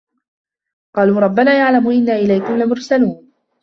قالوا رَبُّنا يَعلَمُ إِنّا إِلَيكُم لَمُرسَلونَ